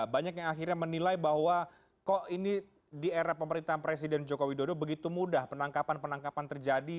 banyak yang akhirnya menilai bahwa kok ini di era pemerintahan presiden joko widodo begitu mudah penangkapan penangkapan terjadi